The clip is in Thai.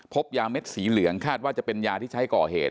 พบยาเม็ดสีเหลืองคาดว่าจะเป็นยาที่ใช้ก่อเหตุ